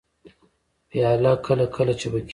پیاله کله کله چپه کېږي.